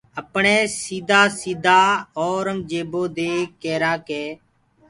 اپڻيٚ سيٚدآ سيٚدآ اورنٚگجيبو دي ڪيٚرآ ڪي